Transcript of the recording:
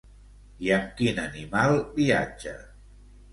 I amb quin animal viatja?